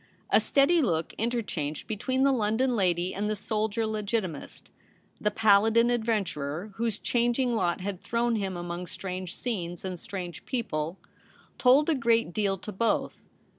A steady look interchanged be tween the London lady and the soldier Legitimist — the paladin adventurer whose changing lot had thrown him among strange scenes and strange people — told a great deal 17 2 26o THE REBEL ROSE. to both.